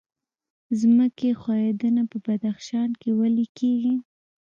ځمکې ښویدنه په بدخشان کې ولې کیږي؟